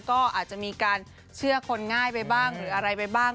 ก็อาจจะมีการเชื่อคนง่ายไปบ้างหรืออะไรไปบ้าง